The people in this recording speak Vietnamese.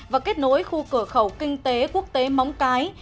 và kết nối khu cửa khẩu kinh tế quốc tế móng cái